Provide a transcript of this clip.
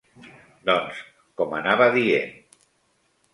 Doncs, com anava dient.